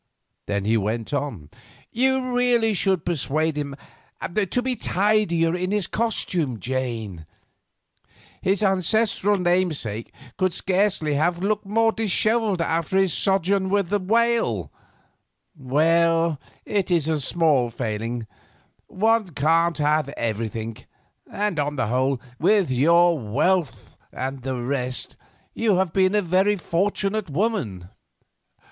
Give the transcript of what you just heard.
Then he went on. "You really should persuade him to be tidier in his costume, Jane; his ancestral namesake could scarcely have looked more dishevelled after his sojourn with the whale. Well, it is a small failing; one can't have everything, and on the whole, with your wealth and the rest, you have been a very fortunate woman."